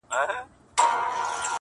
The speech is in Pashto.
مور بې وسه ده او د حل لاره نه ويني،